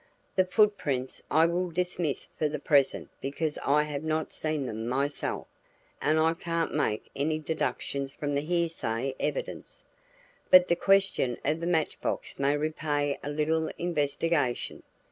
The foot prints I will dismiss for the present because I have not seen them myself and I can't make any deductions from hearsay evidence. But the question of the match box may repay a little investigation.